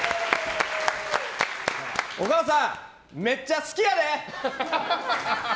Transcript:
お母さん、めっちゃ好きやで！